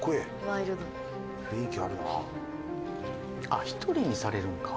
あっ１人にされるんか。